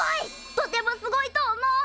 とてもすごいと思う。